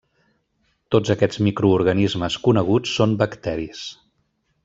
Tots aquests microorganismes coneguts són bacteris.